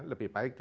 lebih baik dia